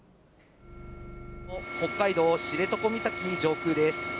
北海道知床岬上空です。